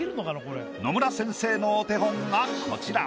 野村先生のお手本がこちら。